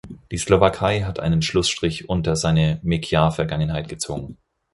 Die Slowakei hat einen Schlussstrich unter seine Meciar-Vergangenheit gezogen.